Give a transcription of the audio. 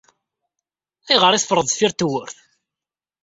Ayɣer ay teffreḍ deffir tewwurt?